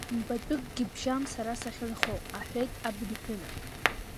Мбатәыкгьы бжьам сара сахьынхо, — аҳәеит абнаҳәынаԥ.